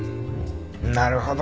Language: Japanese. なるほど。